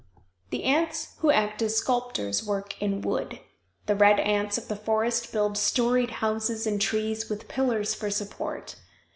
The ants who act as sculptors work in wood. The red ants of the forest build storied houses in trees with pillars for support.